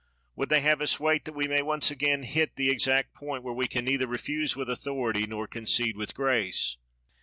Would they have us wait, that we may once again hit the exact point where we can neither refuse with authority nor concede with grace?